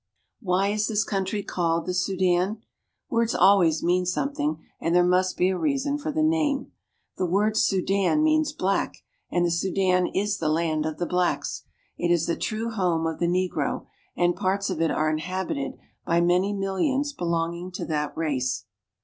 Why is this country called the Sudan ? Words always mean something, and there must be a reason for the name. The word " Sudan means "black," and the Sudan is the land of the blacks. It is the true home of the negro, and parts of it are inhabited by many millions belonging to that race.